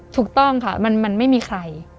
ถูกต้องค่ะมันไม่มีใคร